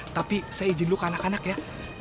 tapi saya izin dulu ke anak anak ya